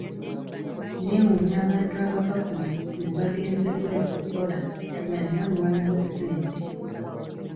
Neewuunya abantu abava kuno mbu bagenze bweru kukola nga ne wano waliwo ssente.